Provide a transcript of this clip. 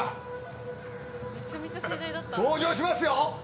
「登場しますよ！」